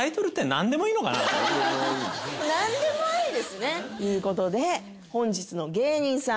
なんでもありですね。ということで本日の芸人さん